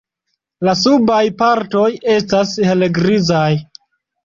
La subaj partoj estas helgrizaj.